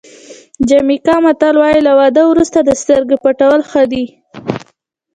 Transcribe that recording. د جمیکا متل وایي له واده وروسته د سترګې پټول ښه دي.